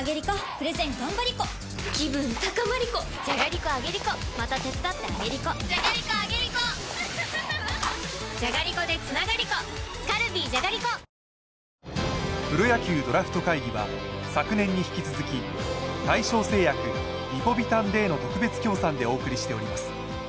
プロ野球ドラフト会議は昨年に引き続き、大正製薬、リポビタンＤの特別協賛でお送りしております。